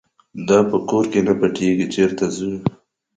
دا په کور کې نه پاتېږي چېرته ځو.